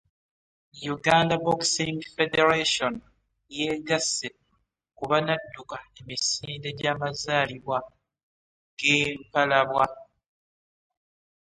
Uganda Boxing Federation yeegasse ku banadduka emisinde gy'amazaalibwa g'empalabwa